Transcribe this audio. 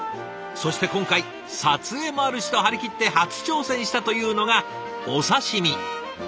そして今回撮影もあるしと張り切って初挑戦したというのがお刺身。